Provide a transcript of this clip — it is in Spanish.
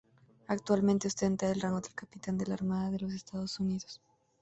Actualmente ostenta el rango de Capitán de la Armada de los Estados Unidos.